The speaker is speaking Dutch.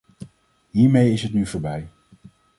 Hiermee is het nu voorbij!